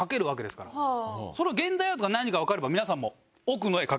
それを現代アートが何かわかれば皆さんも。